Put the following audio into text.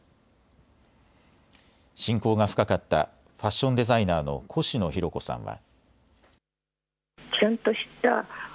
親交が深かったファッションデザイナーのコシノヒロコさんは。